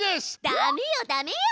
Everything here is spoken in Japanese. ダメよダメよ！